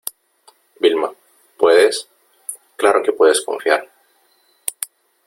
Vilma , puedes , claro que puedes confiar .